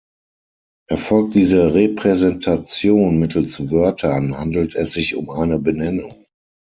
Erfolgt diese Repräsentation mittels Wörtern, handelt es sich um eine Benennung.